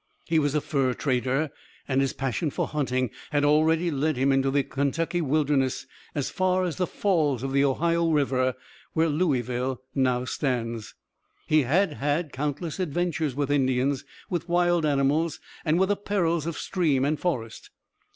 He was a fur trader, and his passion for hunting had already led him into the Kentucky wilderness as far as the Falls of the Ohio River, where Louisville now stands. He had had countless adventures with Indians, with wild animals, and with the perils of stream and forest.